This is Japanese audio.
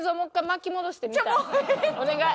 お願い！